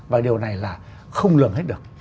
và điều này là không lường hết được